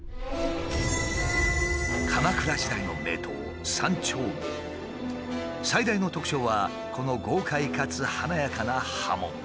鎌倉時代の名刀最大の特徴はこの豪快かつ華やかな刃文。